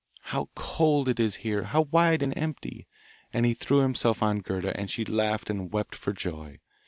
'How cold it is here! How wide and empty!' and he threw himself on Gerda, and she laughed and wept for joy.